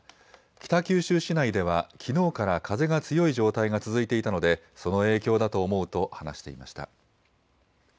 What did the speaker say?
北九州市内ではきのうから風が強い状態が続いていたので、その影響だと思うと話していました。